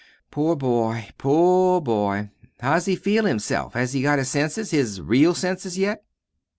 "Poor boy, poor boy! How's he feel himself? Has he got his senses, his real senses yet?"